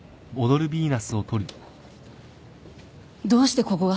どうしてここが？